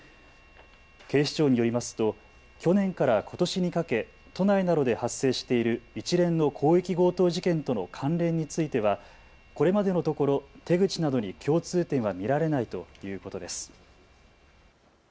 警視庁によりますと、去年からことしにかけ都内などで発生している一連の広域強盗事件との関連については、これまでのところ手口などに共通点は見られないということです。